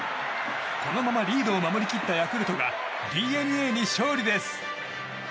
このままリードを守り切ったヤクルトがＤｅＮＡに勝利です！